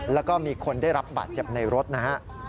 แล้วก็มีคนได้รับบาดเจ็บในรถนะฮะ